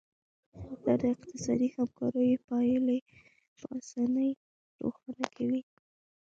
دا د اقتصادي همکاریو پایلې په اسانۍ روښانه کوي